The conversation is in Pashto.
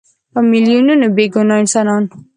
په میلیونونو بېګناه انسانان.